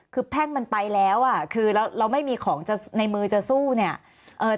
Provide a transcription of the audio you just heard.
คือแพ่งมันไปแล้วอ่ะคือเราไม่มีของจะในมือจะสู้เนี่ย